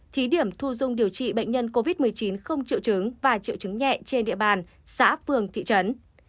thí điểm thu dung điều trị bệnh nhân covid một mươi chín không triệu chứng và triệu chứng nhẹ trên địa bàn xã phường thị trấn